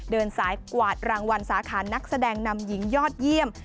เดินสายกวาดรางวัลสาขานักแสดงนำหญิงยอดเยี่ยม